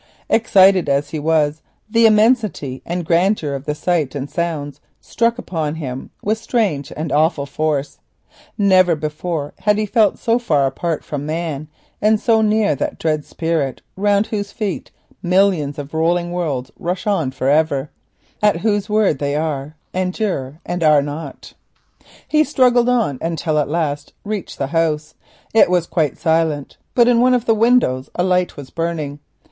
Excited as he was, the immensity and grandeur of the sight and sounds struck upon him with a strange force. Never before had he felt so far apart from man and so near to that dread Spirit round Whose feet thousands of rolling worlds rush on, at Whose word they are, endure, and are not. He struggled forward until at last he reached the house. It was quite silent, but in one of the windows a light was burning.